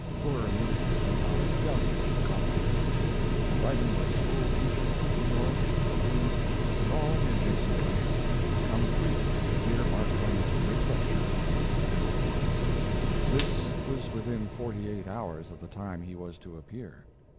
Fuller immediately sent out a deluge of complimentary tickets, inviting the school teachers of New York and Brooklyn, and all the adjacent country, to come free and hear Mark Twain's great lecture on Kanakadom. This was within forty eight hours of the time he was to appear.